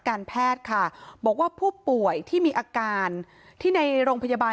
การแพทย์ค่ะบอกว่าผู้ป่วยที่มีอาการที่ในโรงพยาบาล